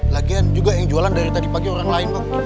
lagian juga yang jualan dari tadi pagi orang lain bu